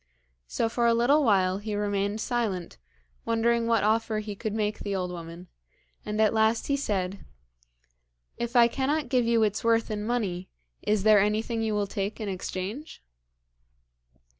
So for a little while he remained silent, wondering what offer he could make the old woman, and at last he said: 'If I cannot give you its worth in money, is there anything you will take in exchange?'